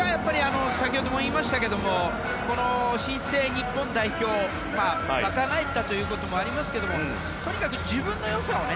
先ほども言いましたけども新生日本代表若返ったということもありますがとにかく自分の良さを。